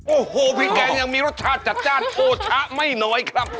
โอ้โหพริกแกงยังมีรสชาติจัดจ้านโอชะไม่น้อยครับ